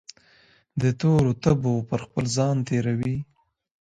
دتورو تبو پرخپل ځان تیروي